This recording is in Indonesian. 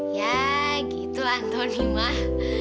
ya gitu antoni mah